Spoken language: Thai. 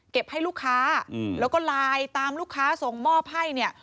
ให้ลูกค้าแล้วก็ไลน์ตามลูกค้าส่งมอบให้เนี่ย